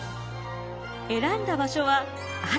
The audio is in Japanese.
選んだ場所は安土。